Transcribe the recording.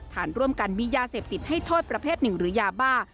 ฐานร่วมกันมียาเสพติดให้โทษประเภทหนึ่งหรือยาบ้า